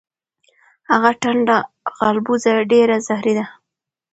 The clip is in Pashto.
هغه ټنډه غالبوزه ډیره زهری ده.